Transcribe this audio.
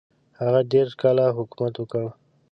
هغه دېرش کاله حکومت وکړ.